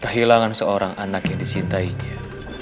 kehilangan seorang anak yang disintainya